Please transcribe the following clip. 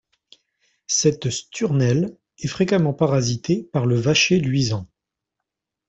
Cette Sturnelle est fréquemment parasitée par le Vacher luisant.